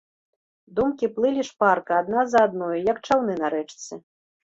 Думкі плылі шпарка адна за адной, як чаўны на рэчцы.